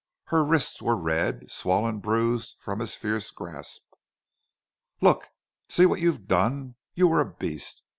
Her wrists were red, swollen, bruised from his fierce grasp. "Look! See what you've done. You were a beast.